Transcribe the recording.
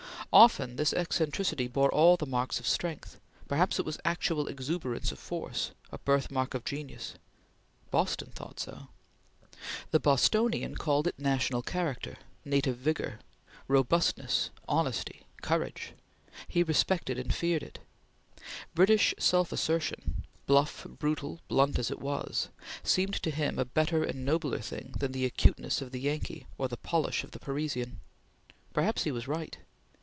Often this eccentricity bore all the marks of strength; perhaps it was actual exuberance of force, a birthmark of genius. Boston thought so. The Bostonian called it national character native vigor robustness honesty courage. He respected and feared it. British self assertion, bluff, brutal, blunt as it was, seemed to him a better and nobler thing than the acuteness of the Yankee or the polish of the Parisian. Perhaps he was right.